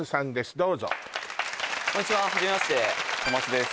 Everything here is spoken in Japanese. どうぞこんにちは初めまして小松です